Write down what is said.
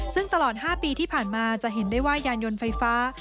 ซึ่งตลอด๕ปีที่ผ่านมาจะเห็นได้ว่ายานยนต์ไฟฟ้า